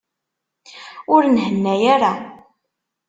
Ur nhenna ara.